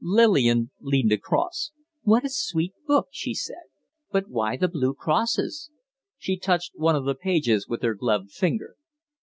Lillian leaned across. "What a sweet book!" she said. "But why the blue crosses?" She touched one of the pages with her gloved finger.